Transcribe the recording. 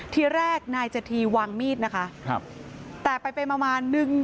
ทีแรกนายจถีวางมีดนะคะแต่ไปเป็นประมาณหนึ่ง